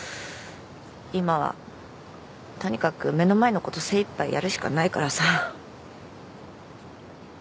今はとにかく目の前の事精いっぱいやるしかないからさ。